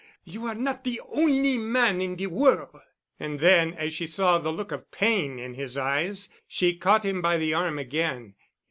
You are not de on'y man in de worl'——" And then, as she saw the look of pain in his eyes, she caught him by the arm again.